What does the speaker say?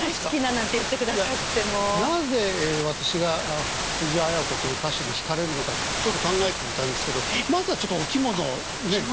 なぜ私が藤あや子という歌手に引かれるのかってちょっと考えていたんですけどまずはちょっとお着物ねえ。